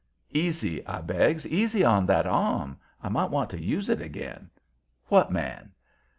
"Easy," I begs. "Easy on that arm. I might want to use it again. What man?"